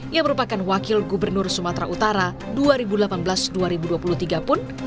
yang merupakan wakil gubernur sumatera utara dua ribu delapan belas dua ribu dua puluh tiga pun